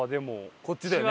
こっちだよね。